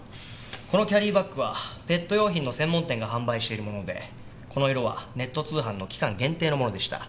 このキャリーバッグはペット用品の専門店が販売しているものでこの色はネット通販の期間限定のものでした。